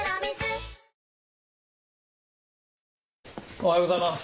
おはようございます。